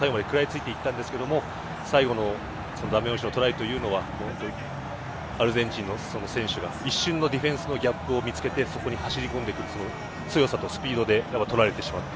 日本代表、最後まで食らいついていったんですけれども、最後のダメ押しのトライというのは、アルゼンチンの選手が一瞬のディフェンスのギャップを見つけて、そこに走り込んでくる強さとスピードで取られてしまった。